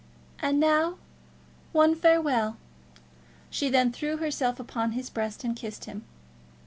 "And now, one farewell." She then threw herself upon his breast and kissed him.